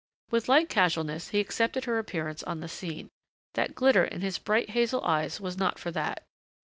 With light casualness he accepted her appearance on the scene. That glitter in his bright hazel eyes was not for that.